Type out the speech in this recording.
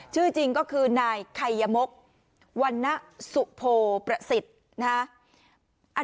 ชื่อจริงก็คือนายไขยมกวรรณสุโพประสิทธิ์นะฮะ